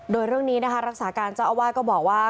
โดยเรื่องนี้นะคะรักษาการเจ้าอาวาสก็บอกว่า